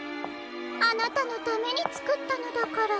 あなたのためにつくったのだから。